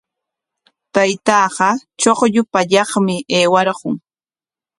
Taytaaqa chuqllu pallaqmi aywarqun.